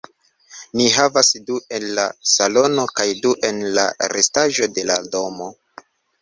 Ni havas du en la salono kaj du en la restaĵo de la domo.